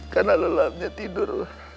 karena lelahnya tidur